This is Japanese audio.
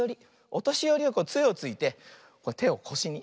おとしよりはつえをついててをこしに。